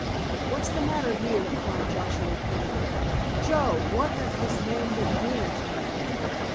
"What's the matter here?" cried Joshua Peniman. "Joe, what has this man been doing to you?"